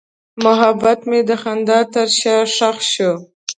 محبت مې د خندا تر شا ښخ شو.